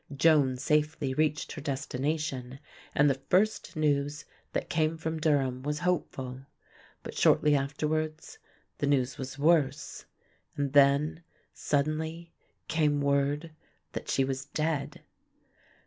Joan safely reached her destination and the first news that came from Durham was hopeful; but shortly afterwards the news was worse and then suddenly came word that she was dead.